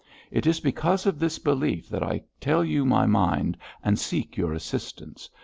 It is because of this belief that I tell you my mind and seek your assistance.